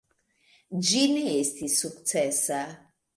Ĝi ne estis sukcesa.